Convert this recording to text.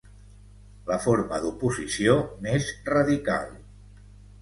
La forma d'oposició més radical.